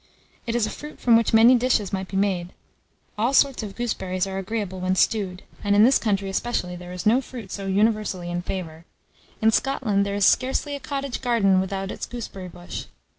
It is a fruit from which many dishes might be made. All sorts of gooseberries are agreeable when stewed, and, in this country especially, there is no fruit so universally in favour. In Scotland, there is scarcely a cottage garden without its gooseberry bush.